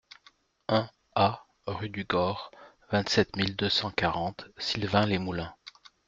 un A rue du Gord, vingt-sept mille deux cent quarante Sylvains-les-Moulins